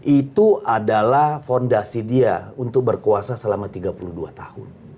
itu adalah fondasi dia untuk berkuasa selama tiga puluh dua tahun